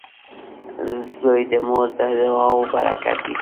• زوی د مور د دعاو برکت وي.